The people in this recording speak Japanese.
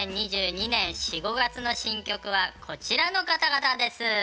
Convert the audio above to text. ２０２２年４５月の新曲はこちらの方々です。